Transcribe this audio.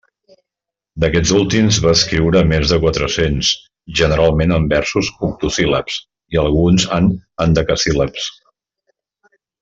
D'aquests últims va escriure més de quatre-cents, generalment en versos octosíl·labs, i alguns en hendecasíl·labs.